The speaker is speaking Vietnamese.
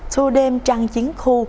tour đêm trăng chiến khu